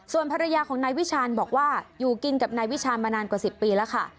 ส่วนภรรยาของนายวิชาณบอกว่าอยู่กินกับนายวิชาณมานานกว่า๑๐ปีแล้วค่ะ